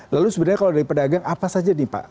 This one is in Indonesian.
lalu sebenarnya kalau dari pedagang apa saja nih pak